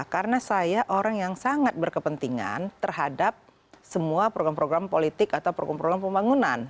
karena saya orang yang sangat berkepentingan terhadap semua program program politik atau program program pembangunan